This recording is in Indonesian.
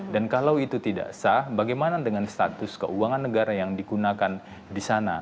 dan kalau itu tidak sah bagaimana dengan status keuangan negara yang digunakan di sana